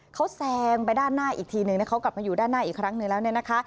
เขาแซงไปด้านหน้าอีกทีนึงเขากลับมาอยู่ด้านหน้าอีกครั้งหนึ่งแล้วเนี่ยนะคะ